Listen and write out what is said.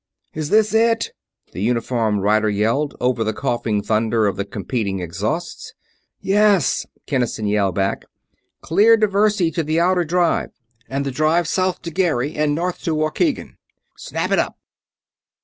"Is this IT?" the uniformed rider yelled, over the coughing thunder of the competing exhausts. "Yes!" Kinnison yelled back. "Clear Diversey to the Outer Drive, and the Drive south to Gary and north to Waukegan. Snap it up!"